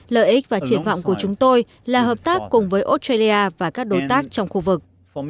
lợi ích và triển vọng của chúng tôi là hợp tác cùng với australia và các đối tác trong khu vực